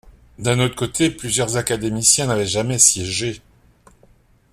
D’un autre côté, plusieurs académiciens n’avaient jamais siégé.